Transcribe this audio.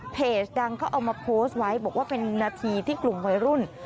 เพจดังเขาเอามาโพสต์ไว้บอกว่าเป็นนาทีที่กลุ่มวัยรุ่น